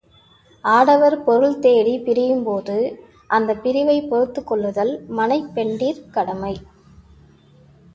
ஆடவர் பொருள் தேடிப் பிரியும்போது, அந்தப் பிரிவைப் பொறுத்துக் கொள்ளுதல் மனைப் பெண்டிர் கடமை.